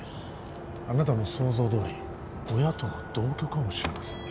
あなたの想像どおり親と同居かもしれませんね